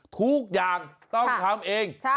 ทุกอย่างต้องทำเอง